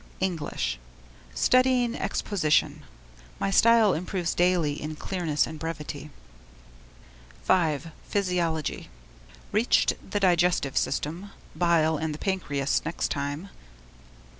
English: Studying exposition. My style improves daily in clearness and brevity. V. Physiology: Reached the digestive system. Bile and the pancreas next time.